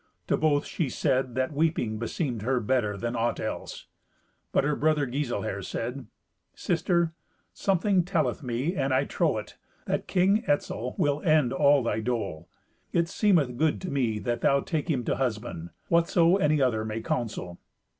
To both she said that weeping beseemed her better than aught else. But her brother Giselher said, "Sister, something telleth me, and I trow it, that King Etzel will end all thy dole. It seemeth good to me that thou take him to husband, whatso any other may counsel.